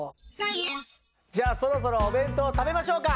じゃあそろそろお弁当を食べましょうか。